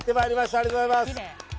ありがとうございます。